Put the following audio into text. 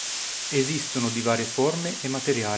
Esistono di varie forme e materiali.